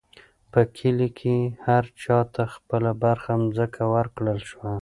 په کلي کې هر چا ته خپله برخه مځکه ورکړل شوه.